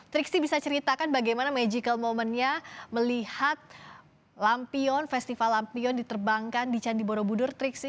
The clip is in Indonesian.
triksi bisa ceritakan bagaimana magical momentnya melihat lampion festival lampion diterbangkan di candi borobudur triksi